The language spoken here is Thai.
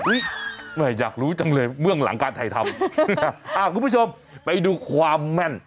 อุ้ยไม่อยากรู้จังเลยเมื่องหลังการไทยทำอ่าคุณผู้ชมไปดูความแม่น